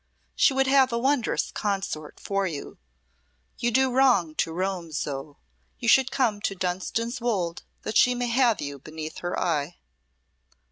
She would have a wondrous consort for you. You do wrong to roam so. You should come to Dunstan's Wolde that she may have you beneath her eye."